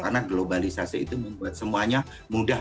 karena globalisasi itu membuat semuanya mudah